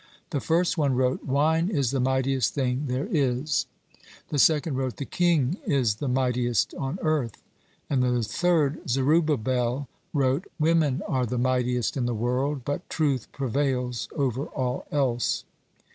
The first one wrote: "Wine is the mightiest thing there is"; the second wrote: "The king is the mightiest on earth," and the third, Zerubbabel, wrote: "Women are the mightiest in the world, but truth prevails over all else."